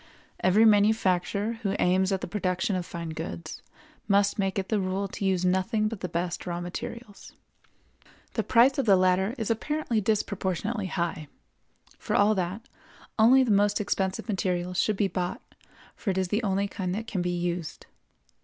Every manufacturer who aims at the production of fine goods must make it the rule to use nothing but the best raw materials. The price of the latter is apparently disproportionately high; for all that, only the most expensive materials should be bought, for it is the only kind that can be used.